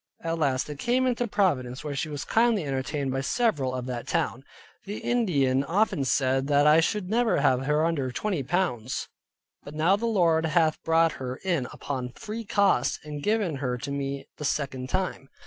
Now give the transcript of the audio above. At last they came into Providence, where she was kindly entertained by several of that town. The Indians often said that I should never have her under twenty pounds. But now the Lord hath brought her in upon free cost, and given her to me the second time.